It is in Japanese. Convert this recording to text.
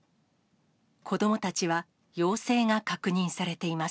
子どもたちは、陽性が確認されています。